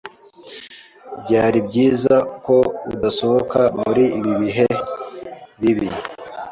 Byari byiza ko udasohoka muri ibi bihe bibi.